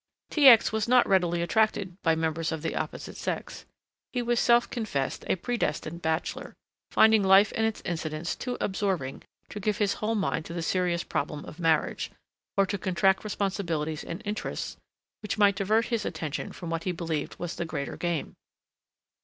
T. X. was not readily attracted by members of the opposite sex. He was self confessed a predestined bachelor, finding life and its incidence too absorbing to give his whole mind to the serious problem of marriage, or to contract responsibilities and interests which might divert his attention from what he believed was the greater game.